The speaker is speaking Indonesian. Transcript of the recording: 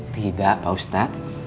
tidak pak ustadz